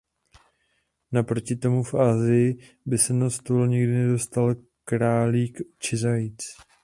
Naproti tomu v Asii by se na stůl nikdy nedostal králík či zajíc.